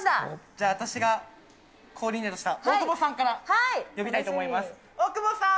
じゃあ私がコーディネートした大久保さんから呼びたいと思い大久保さん。